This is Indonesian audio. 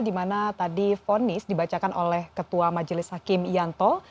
di mana tadi vonis dibacakan oleh ketua majelis hakim yanto